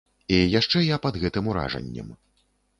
І яшчэ я пад гэтым уражаннем.